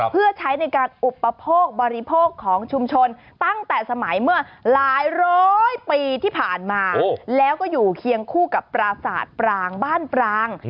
เพื่อใช้ในการอุปโภคบริโภคของชุมชนตั้งแต่สมัยเมื่อหลายร้อยปีที่ผ่านมาแล้วก็อยู่เคียงคู่กับปราศาสตร์ปรางบ้านปราง